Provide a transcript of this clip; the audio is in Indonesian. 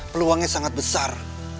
peluangnya sangat besar